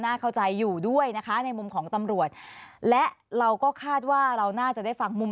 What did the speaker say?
เข้าใจอยู่ด้วยนะคะในมุมของตำรวจและเราก็คาดว่าเราน่าจะได้ฟังมุม